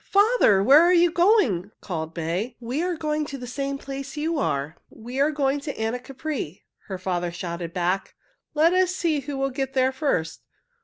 Father! Where are you going?" called May. "We are going to the same place you are. We are going to Anacapri," her father shouted back. "Let us see who will get there first.